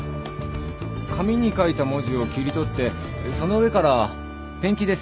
紙に書いた文字を切り取ってその上からペンキで船体に塗ります。